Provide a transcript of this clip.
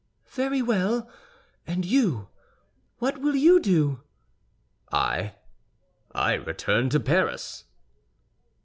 "Very well; and you—what will you do?" "I—I return to Paris."